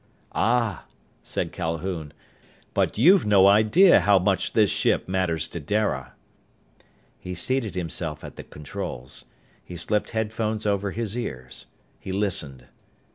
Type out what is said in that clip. "Ah," said Calhoun, "but you've no idea how much this ship matters to Dara!" He seated himself at the controls. He slipped headphones over his ears. He listened.